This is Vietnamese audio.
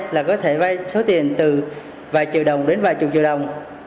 là có thể vay số tiền từ vài triệu đồng đến vài chục triệu đồng